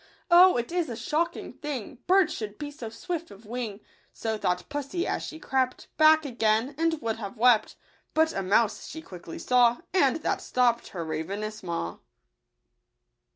Oh, it is a shocking thing Birds should be so swift of wing ! So thought pussy as she crept Back again ; and would have wept, But a mouse she quickly saw, And that stopped her ravenous maw.